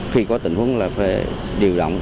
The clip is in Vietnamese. khi có tình huống là phải điều động